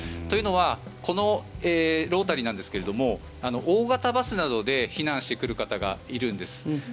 というのはこのロータリーなんですが大型バスなどで避難してくる方がいるんです。